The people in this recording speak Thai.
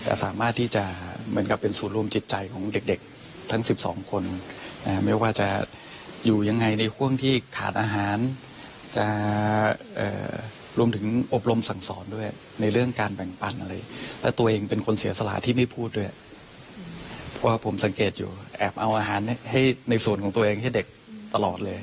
เอาอาหารให้ในส่วนของตัวเองให้เด็กตลอดเลย